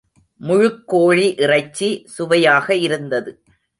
முழுக் கோழி இறைச்சி சுவையாக இருந்தது.